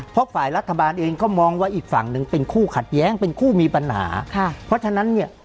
เพราะฝ่ายรัฐบาลเองก็มองว่าอีกฝั่งหนึ่งเป็นคู่ขัดแย้งเป็นคู่มีปัญหาค่ะเพราะฉะนั้นเนี่ย